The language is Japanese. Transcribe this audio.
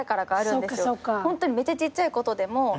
ホントにめっちゃちっちゃいことでも。